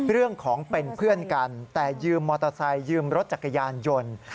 เรื่องของเป็นเพื่อนกันแต่ยืมมอเตอร์ไซค์ยืมรถจักรยานยนต์